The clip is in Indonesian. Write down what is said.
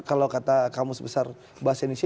kalau kata kamu sebesar bahasa indonesia